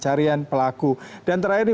carian pelaku dan terakhir